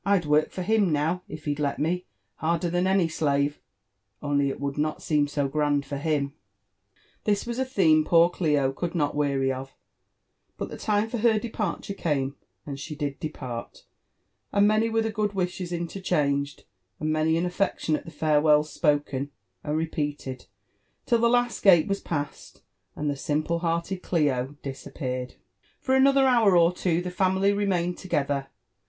Fd work for him now, if he'd let me, harder than any slave — only it would not seem so grand for him/' This was a theme poor Clio could not weiiry of ; but the time for her departure came, and she did depart — and man^ were the good wishes interchanged, and many and afleclionate the farewells spoken, and repeated, till the last gale was passed and the simple hearted Clio disappeared. For another hour or two (he family remained together.